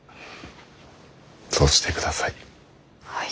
そうしてください。